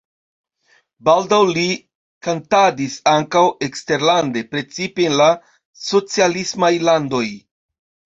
Baldaŭ li kantadis ankaŭ eksterlande, precipe en la socialismaj landoj.